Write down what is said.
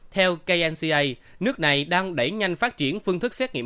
theo kca nước này đang đẩy nhanh phát triển phương thức xét nghiệm